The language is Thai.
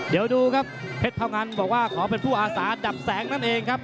เดี๋ยวดูครับเพชรพงันบอกว่าขอเป็นผู้อาสาดับแสงนั่นเองครับ